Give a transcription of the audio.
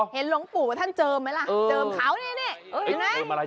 ถึงลงปู่มาบนเจิมไหมล้ะเจิมเขาเนี่ย